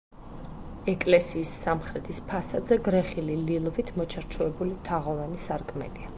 ეკლესიის სამხრეთის ფასადზე გრეხილი ლილვით მოჩარჩოებული თაღოვანი სარკმელია.